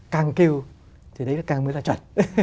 càng kêu thì đấy càng mới ra chuẩn